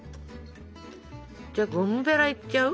じゃあゴムベラいっちゃう？